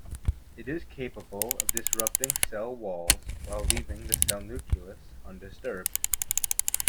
It is capable of disrupting cell walls while leaving the cell nucleus undisturbed.